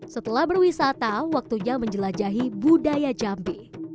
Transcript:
setelah berwisata waktunya menjelajahi budaya jambi